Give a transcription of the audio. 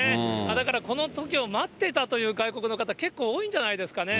だからこのときを待っていたという外国の方、結構多いんじゃないですかね。